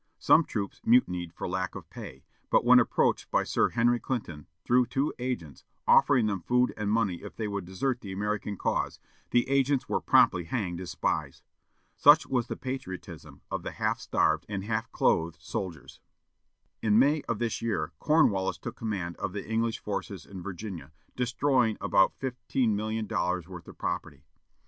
Some troops mutinied for lack of pay, but when approached by Sir Henry Clinton, through two agents, offering them food and money if they would desert the American cause, the agents were promptly hanged as spies. Such was the patriotism of the half starved and half clothed soldiers. In May of this year, Cornwallis took command of the English forces in Virginia, destroying about fifteen million dollars worth of property.